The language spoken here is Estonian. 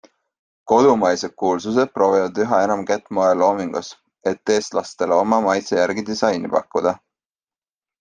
Kodumaised kuulsused proovivad üha enam kätt moeloomingus, et eestlastele oma maitse järgi disaini pakkuda.